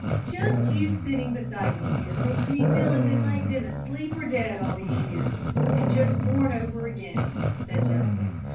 "Just you sitting beside me here makes me feel as if I'd been asleep or dead all these years, and just born over again," said Justin.